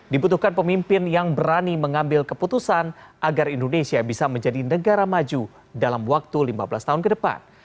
dibutuhkan pemimpin yang berani mengambil keputusan agar indonesia bisa menjadi negara maju dalam waktu lima belas tahun ke depan